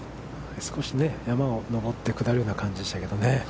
少しね、山を上って、下るような感じでしたけどね。